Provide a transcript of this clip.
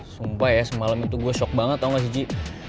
sumpah ya semalam itu gue shock banget atau gak sih ji